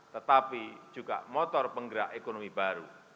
tetapi juga motor penggerak ekonomi baru